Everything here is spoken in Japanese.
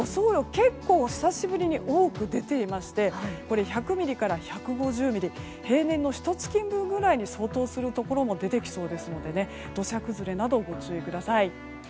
雨量、結構久しぶりに多く出ていまして１００ミリから１５０ミリ平年のひと月分に相当するところも出てきそうですので土砂崩れなど、ご注意ください。